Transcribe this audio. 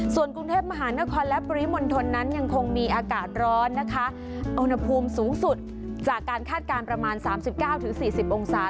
ส่วนกรุงเทพมหานครและปุริมลฐนนั้นยังคงมีอากาศร้อนนะคะอุณหภูมิสูงสุดจากการคาดการณ์ประมาณสามสิบเก้าถึงสี่สิบองศา